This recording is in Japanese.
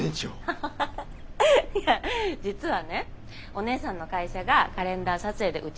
ハハハハいや実はねお姉さんの会社がカレンダー撮影でうちを使いたいって聞いて。